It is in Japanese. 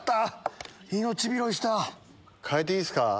変えていいですか。